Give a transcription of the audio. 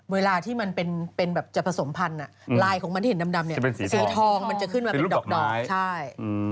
เวลาที่แบบจะผสมพันธุ์อาไลน์ของก็จะเป็นสีทองสีทองม้าเป็นดอกม้าย